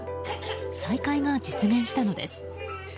再会が実現したのです。